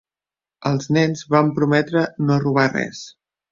Els nens van prometre no robar res.